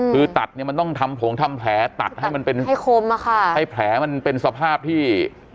คือตัดเนี่ยมันต้องทำผงทำแผลตัดให้มันเป็นให้คมอะค่ะให้แผลมันเป็นสภาพที่